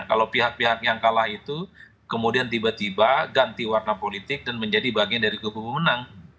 kalau pihak pihak yang kalah itu kemudian tiba tiba ganti warna politik dan menjadi bagian dari kubu pemenang